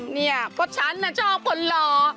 นี่พวกฉันน่ะชอบคนหล่อ